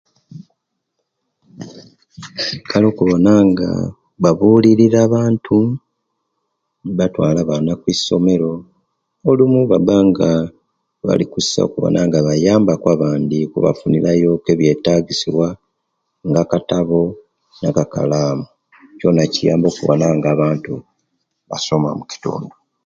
Kale okuwona nga babuulirira abantu, batwaale abaana okwisomero, olumu obabanga balikusa nga bayambaku abandi, okubafunirayoku ebyeetagisibwa; nga akatabo, nakakalaamu, kyona kiyamba okuwona nga abantu basoma okukitundu.